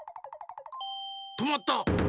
とまった！